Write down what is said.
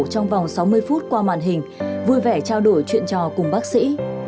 trong vòng sáu mươi phút qua màn hình vui vẻ trao đổi chuyện trò cùng bác sĩ